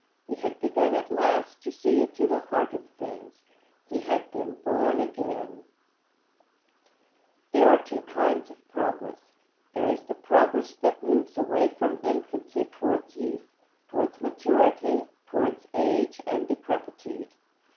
He had begun at last to see into the heart of things.' He had been born again! There are two kinds of progress. There is the progress that moves away from infancy towards youth, towards maturity, towards age and decrepitude.